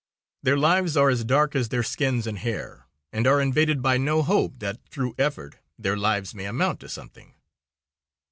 Their lives are as dark as their skins and hair, and are invaded by no hope that through effort their lives may amount to something.